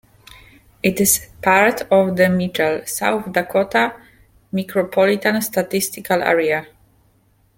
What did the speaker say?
It is part of the Mitchell, South Dakota Micropolitan Statistical Area.